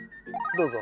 どうぞ。